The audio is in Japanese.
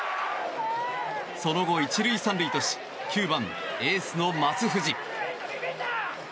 その後、１塁３塁とし９番、エースの松藤。